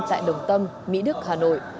tại đồng tâm mỹ đức hà nội